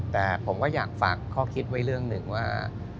แต่ผมก็อยากฝากข้อคิดไว้เรื่องหนึ่งว่า